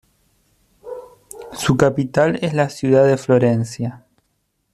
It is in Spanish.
Su capital es la ciudad de Florencia.